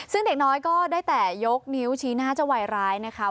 ซึ่งเด็กน้อยก็ได้แต่ยกนิ้วชี้หน้าเจ้าวัยร้ายนะคะ